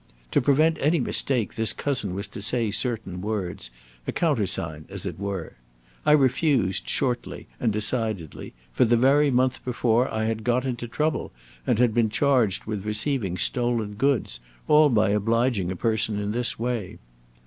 To prevent any mistake, this cousin was to say certain words a countersign, as it were. I refused, shortly and decidedly, for the very month before I had got into trouble and had been charged with receiving stolen goods, all by obliging a person in this way.